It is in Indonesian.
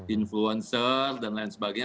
influencer dan lain sebagainya